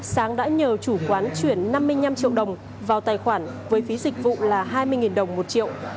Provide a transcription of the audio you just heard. sáng đã nhờ chủ quán chuyển năm mươi năm triệu đồng vào tài khoản với phí dịch vụ là hai mươi đồng một triệu